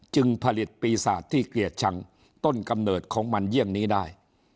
จึงผลิตปีศาจที่เกลียดชังต้นกำเนิดของมันเยี่ยงนี้ได้